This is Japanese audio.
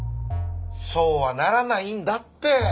そうはならないんだって！